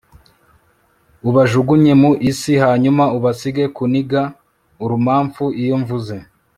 ubajugunye mu isi hanyuma ubasige kuniga urumamfu. iyo mvuze